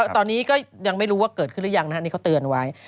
ตอนนี้ก็ยังไม่รู้ว่าเกิดขึ้นหรือยังนี่เขาเตือนไว้